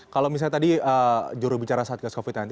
kalau misalnya tadi juru bicara saat covid sembilan belas